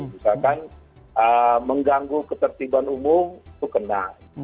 misalkan mengganggu ketertiban umum itu kena